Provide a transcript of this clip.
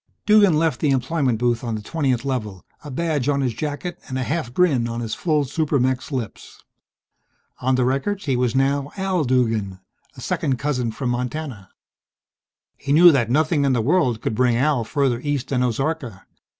Duggan left the employment booth on the 20th Level, a badge on his jacket and a half grin on his full super mech's lips. On the records he was now Al Duggan, a second cousin from Montana. He knew that nothing in the world could bring Al further east than Ozarka.